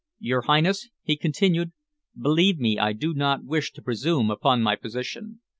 "Your Highness," he continued, "believe me, I do not wish to presume upon my position.